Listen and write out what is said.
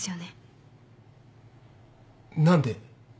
何で？